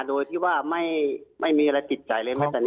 โดยที่ว่าไม่มีอะไรติดใจเลย